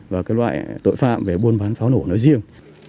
và cái loại tội phạm về buôn bán pháo nổ nói riêng